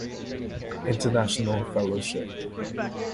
International Fellowship.